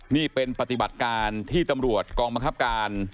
นี่เป็นปฏิบัติการที่ตำรวจกองบังคับการ